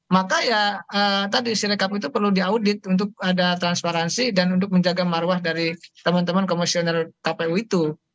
maka ya tadi si rekap itu perlu diaudit untuk ada transparansi dan untuk menjaga marwah dari teman teman komisioner kpu itu